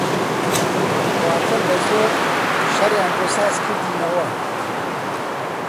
واتا بە زۆر شەڕیان بۆ ساز کردینەوە